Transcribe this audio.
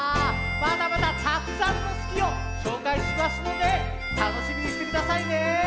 まだまだたくさんの「すき」をしょうかいしますのでたのしみにしてくださいね。